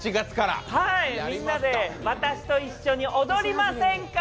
みんなで、私と一緒に踊りませんか？